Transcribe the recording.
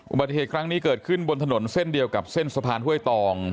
อุบัติเหตุครั้งนี้เกิดขึ้นบนถนนเส้นเดียวกับเส้นสะพานห้วยตอง